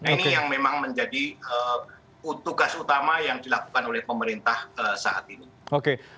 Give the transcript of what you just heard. ini yang memang menjadi tugas utama yang dilakukan oleh pemerintah saat ini